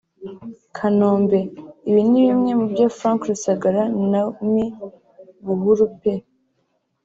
Kanombe – Ibi ni bimwe mu byo Frank Rusagara na Me Buhuru P